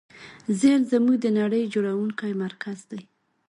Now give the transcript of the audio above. ذهن زموږ د نړۍ جوړوونکی مرکز دی.